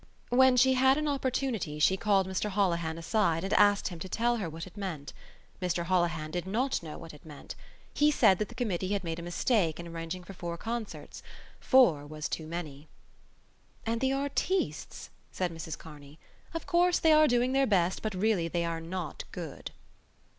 When she had an opportunity, she called Mr Holohan aside and asked him to tell her what it meant. Mr Holohan did not know what it meant. He said that the Committee had made a mistake in arranging for four concerts: four was too many. "And the artistes!" said Mrs Kearney. "Of course they are doing their best, but really they are not good."